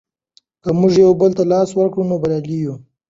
که موږ یو بل ته لاس ورکړو نو بریالي یو.